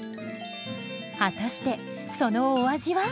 果たしてそのお味は？